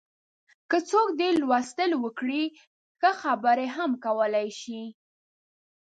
که څوک ډېر لوستل وکړي، ښه خبرې هم کولای شي.